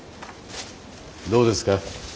どうですか